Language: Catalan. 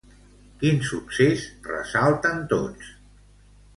Quin succés ressalten tots?